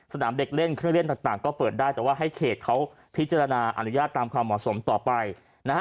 เด็กเล่นเครื่องเล่นต่างก็เปิดได้แต่ว่าให้เขตเขาพิจารณาอนุญาตตามความเหมาะสมต่อไปนะฮะ